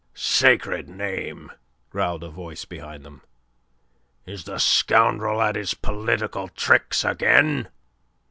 "Sacred name!" growled a voice behind them. "Is the scoundrel at his political tricks again?"